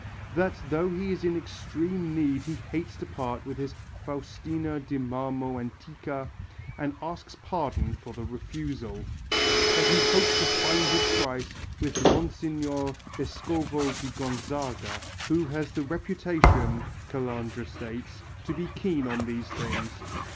That though he is in extreme need he hates to part with his Faustina di marmo antica and asks pardon for the refusal, that he hopes to find his price with Monsignor Vescovo di Gonzaga, who has the reputation, Calandra states, to be keen on these things.